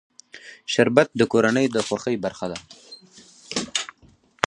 شربت د کورنۍ د خوښۍ برخه ده